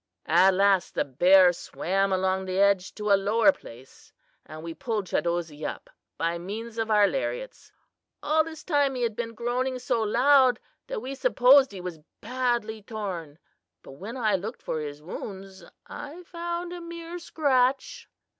"At last the bear swam along the edge to a lower place, and we pulled Chadozee up by means of our lariats. All this time he had been groaning so loud that we supposed he was badly torn; but when I looked for his wounds I found a mere scratch."